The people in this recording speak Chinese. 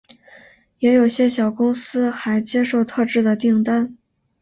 也有些小公司还接受特制的订单。